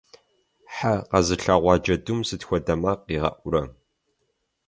Хьэ къэзылъэгъуа джэдум сыт хуэдэ макъ игъэӀурэ?